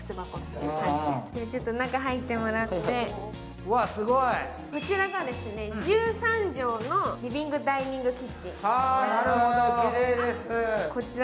ではちょっと中に入ってもらって、こちらが１３畳のリビングダイニングキッチン。